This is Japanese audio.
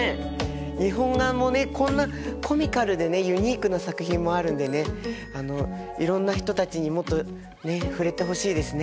日本画もねこんなコミカルでねユニークな作品もあるんでねいろんな人たちにもっとね触れてほしいですね。